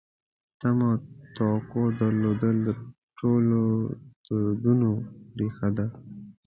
تمه او توقع درلودل د ټولو دردونو ریښه ده.